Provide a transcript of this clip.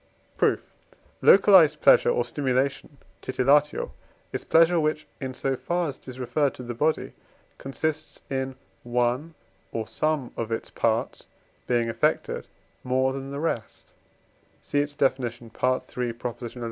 Proof. Localized pleasure or stimulation (titillatio) is pleasure, which, in so far as it is referred to the body, consists in one or some of its parts being affected more than the rest (see its Definition, III. xi.